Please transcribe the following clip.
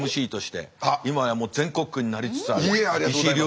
ＭＣとして今やもう全国区になりつつある。